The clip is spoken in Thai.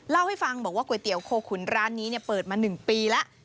เล่าให้ฟังบอกว่าก๋วยเตี๋ยวโคขุนร้านนี้เปิดมา๑ปีแล้ว